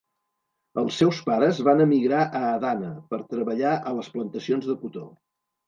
Els seus pares van emigrar a Adana per treballar a les plantacions de cotó.